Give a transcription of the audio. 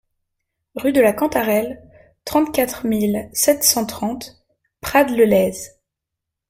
Rue de la Cantarelle, trente-quatre mille sept cent trente Prades-le-Lez